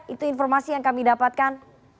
itu informasi yang kami dapatkan